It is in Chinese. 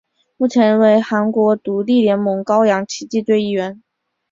目前为韩国独立联盟高阳奇迹队一员。